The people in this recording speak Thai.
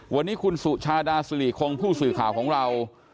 วันนี้คุณสุชาดาสุริคงผู้สื่อข่าวของเรา